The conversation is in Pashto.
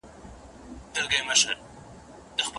ميرمن او د هغې کورنۍ دي د مرکې اړوند معلومات وکړي.